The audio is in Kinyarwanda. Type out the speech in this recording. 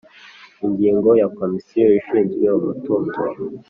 Ingingo ya Komisiyo ishinzwe umutungo